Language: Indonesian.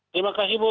terima kasih bu